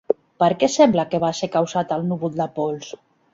Per què sembla que va ser causat el núvol de pols?